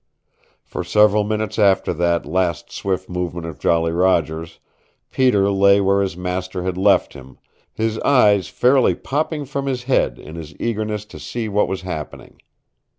For several minutes after that last swift movement of Jolly Roger's, Peter lay where his master had left him, his eyes fairly popping from his head in his eagerness to see what was happening.